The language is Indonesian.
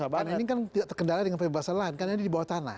bahan ini kan tidak terkendala dengan pembebasan lahan karena ini di bawah tanah